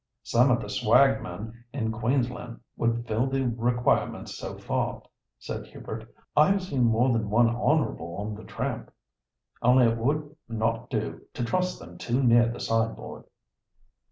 "Some of the swagmen in Queensland would fill the requirements so far," said Hubert. "I have seen more than one 'honourable' on the tramp. Only it would not do to trust them too near the sideboard."